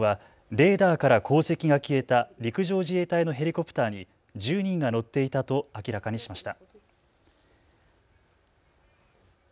防衛省はレーダーから航跡が消えた陸上自衛隊のヘリコプターに１０人が乗っていたと明らかにしました。